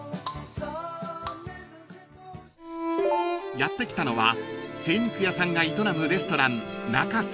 ［やって来たのは精肉屋さんが営むレストラン］